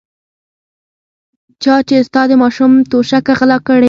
چا چې ستا د ماشوم توشکه غلا کړې.